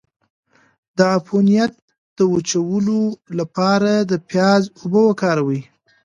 د عفونت د وچولو لپاره د پیاز اوبه وکاروئ